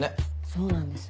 そうなんです。